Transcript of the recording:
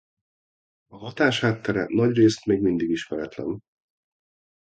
A hatás háttere nagyrészt még mindig ismeretlen.